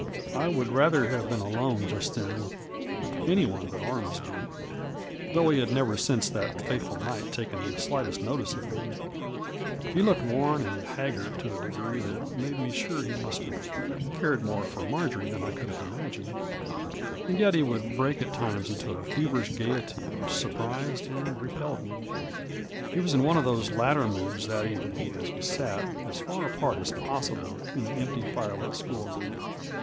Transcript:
I would rather have been alone just then with any one but Ormsby, though he had never since that fatal night taken the slightest notice of me ; he looked worn and haggard to a degree that made me sure he must have cared more for Marjory than I could have imagined, and yet he would break at times into a feverish gayety which surprised and repelled me. He was in one of these latter moods that evening, as we sat, as far apart as possible, in the empty, firelit school room.